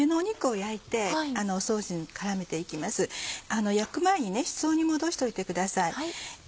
焼く前に室温に戻しておいてください。